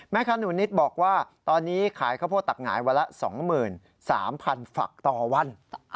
แม่ค้าหนุนิตบอกว่าตอนนี้ขายข้าวโป้ดตะกไหงวันละ๒๓๐๐๐ฝักต่อวัน